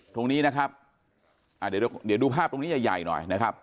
ตรงนี้นะครับอ่าเดี๋ยวดูภาพตรงนี้ใหญ่ใหญ่หน่อยนะครับ